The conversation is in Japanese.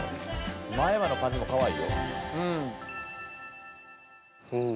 前歯の感じもかわいいよ。